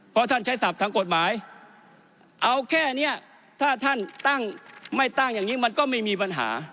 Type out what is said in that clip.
เพราะท่านใช้ศัพท์ทางกฎหมายเอาแค่นี้ถ้าท่านตั้งไม่ตั้งอย่างนี้มันก็ไม่มีปัญหา